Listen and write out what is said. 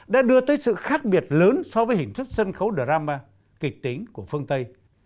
đã đưa tới sự khác biệt lớn so với hình thức sân khấu drama kịch tính của phương tây